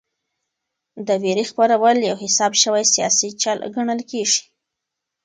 د وېرې خپرول یو حساب شوی سیاسي چل ګڼل کېږي.